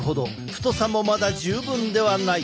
太さもまだ十分ではない。